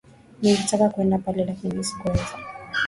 Nilitaka kuenda pale, lakini sikuweza.